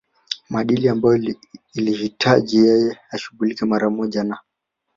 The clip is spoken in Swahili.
maadili ambayo ilihitaji yeye ashughulikie mara moja na